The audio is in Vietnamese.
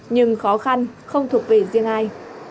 nhưng khó khăn không thuộc về riêng ai